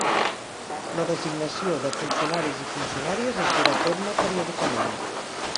La designació de funcionaris i funcionàries es durà a terme periòdicament.